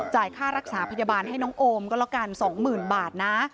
ค่ารักษาพยาบาลให้น้องโอมก็แล้วกัน๒๐๐๐บาทนะ